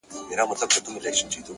پوهه د غلط فهمۍ رڼا له منځه وړي’